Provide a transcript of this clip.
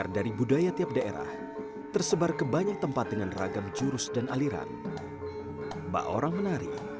di dalam pentas pentas olahraga